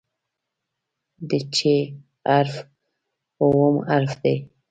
د "چ" حرف اووم حرف دی.